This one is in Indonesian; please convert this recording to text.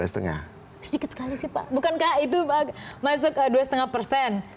sedikit sekali sih pak bukankah itu masuk dua lima persen